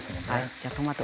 じゃあトマト